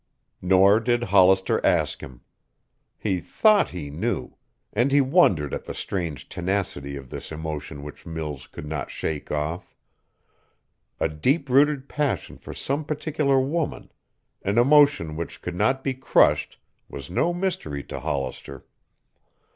Nor did Hollister ask him. He thought he knew and he wondered at the strange tenacity of this emotion which Mills could not shake off. A deep rooted passion for some particular woman, an emotion which could not be crushed, was no mystery to Hollister.